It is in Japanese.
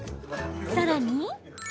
さらに。